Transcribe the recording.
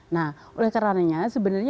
nah oleh karananya sebenarnya